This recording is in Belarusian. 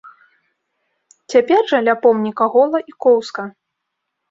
Цяпер жа ля помніка гола і коўзка.